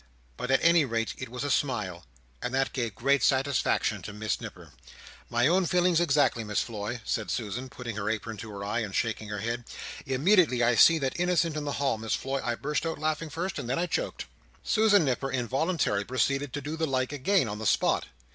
But at any rate it was a smile, and that gave great satisfaction to Miss Nipper. "My own feelings exactly, Miss Floy," said Susan, putting her apron to her eyes, and shaking her head. "Immediately I see that Innocent in the Hall, Miss Floy, I burst out laughing first, and then I choked." Susan Nipper involuntarily proceeded to do the like again on the spot.